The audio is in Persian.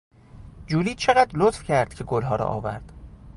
جولی چقدر لطف کرد که گلها را آورد.